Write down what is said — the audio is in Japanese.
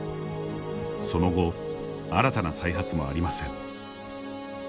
その後、新たな再発もありません。